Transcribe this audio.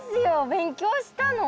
勉強したの。